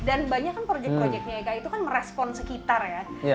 dan banyak kan project projectnya eka itu kan merespon sekitar ya